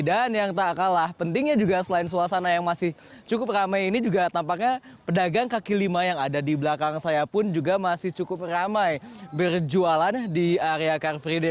dan yang tak kalah pentingnya juga selain suasana yang masih cukup ramai ini juga tampaknya pedagang kaki lima yang ada di belakang saya pun juga masih cukup ramai berjualan di area car free day